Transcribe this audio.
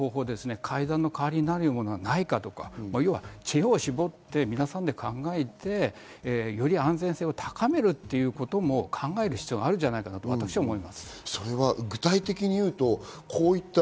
安全を確保できなくても、何らかの方法で階段の代わりになるものはないかとか、知恵を絞って皆さんで考えてより安全性を高めるということも考える必要があると、私は思います。